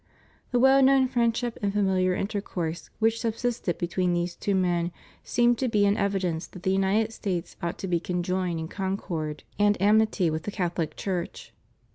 The well knowTi friendship and familiar intercourse which subsisted between these two men seems to be an evidence that the United States ought to be conjoined in concord 322 CATHOLICITY IN THE UNITED STATES. and amity with the Catholic Church.